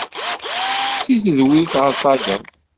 Seg tedwilt γer tayeḍ.